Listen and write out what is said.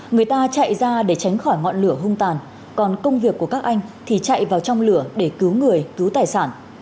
người ta chạy ra để tránh khỏi ngọn lửa hung tàn còn công việc của các anh thì chạy vào trong lửa để cứu người cứu tài sản